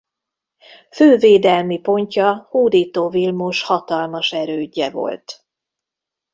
Fő védelmi pontja Hódító Vilmos hatalmas erődje volt.